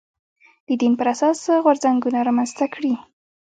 د دین پر اساس غورځنګونه رامنځته کړي